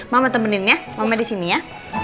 mama temenin ya mama disini ya